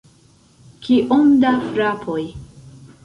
Kiom da frapoj?